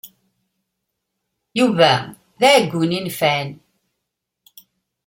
Yuba d aɛeggun inefɛen.